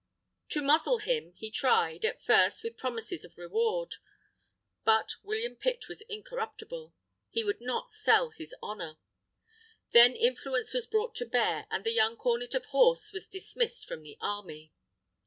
To muzzle him, he tried, at first with promises of reward. But William Pitt was incorruptible. He would not sell his honour. Then influence was brought to bear, and the young Cornet of Horse was dismissed from the army.